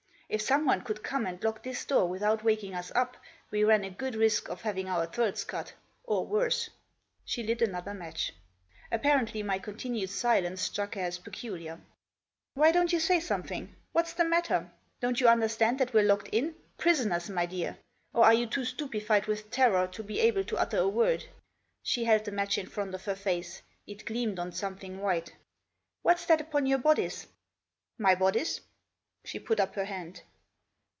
If someone could come and lock this door without waking us up, we ran a good risk of having our throats cut> or worse." She lit another match. Ap parently my continued silence struck her as peculiar. " Why don't you say something— what's the matter ? Don't you understand that we're locked in ; prisoners, my dear? Or are you too stupefied with terror to be able to utter a word ?" She held the match in front of her face. It gleamed on something white. " What's that upon your bodice ?" w My bodice ?" She put up her hand.